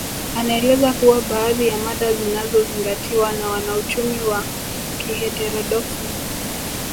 Anaeleza kuwa baadhi ya mada zinazozingatiwa na wanauchumi wa kiheterodoksi